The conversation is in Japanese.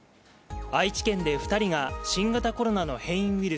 愛知県で２人が新型コロナの変異ウイル